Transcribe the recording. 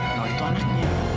kalau itu anaknya